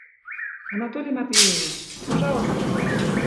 Анатолий Матвеевич... пожалысте...